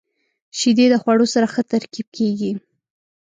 • شیدې د خوړو سره ښه ترکیب کیږي.